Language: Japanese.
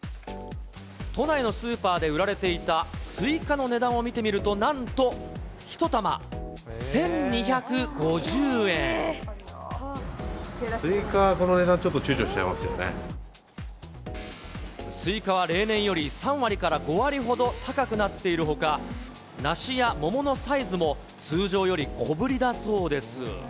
都内のスーパーで売られていたスイカの値段を見てみると、なんとスイカ、この値段だと、スイカは例年より３割から５割ほど高くなっているほか、梨や桃のサイズも、通常より小ぶりだそうです。